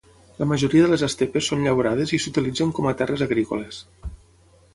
La majoria de les estepes són llaurades i s'utilitzen com a terres agrícoles.